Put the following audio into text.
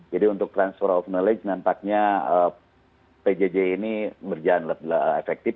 jadi untuk transfer of knowledge nampaknya pjj ini berjalan lancar